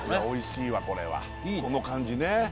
おいしいわこれはこの感じね